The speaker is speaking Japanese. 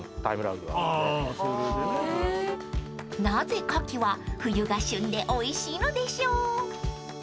［なぜカキは冬が旬でおいしいのでしょう？］